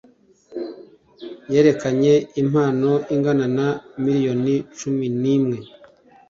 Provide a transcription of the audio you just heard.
yerekanye impano ingana na miliyoni cumi n ‘imwe.